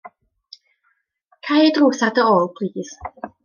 Cau y drws ar dy ôl plis.